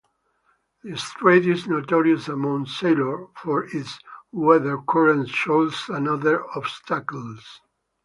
The strait is notorious among sailors for its weather, currents, shoals, and other obstacles.